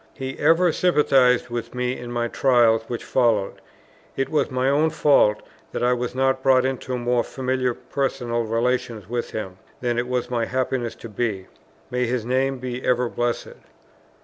He ever sympathized with me in my trials which followed; it was my own fault, that I was not brought into more familiar personal relations with him, than it was my happiness to be. May his name be ever blessed!